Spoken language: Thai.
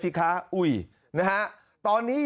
แถลงการแนะนำพระมหาเทวีเจ้าแห่งเมืองทิพย์